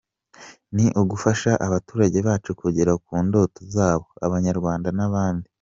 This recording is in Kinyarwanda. Ni ugufasha abaturage bacu kugera ku ndoto zabo, Abanyarwanda n’abandi.